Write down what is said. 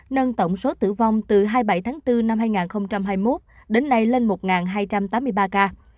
nâng tổng số tử vong từ hai mươi bảy tháng bốn năm hai nghìn hai mươi một đến nay lên một hai trăm tám mươi ba ca